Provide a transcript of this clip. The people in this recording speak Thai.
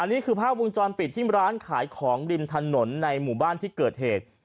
นี่คือภาพวงจรปิดที่ร้านขายของริมถนนในหมู่บ้านที่เกิดเหตุ